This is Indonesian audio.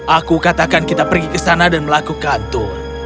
aku katakan kita pergi ke sana dan melakukan tur